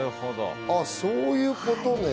そういうことね。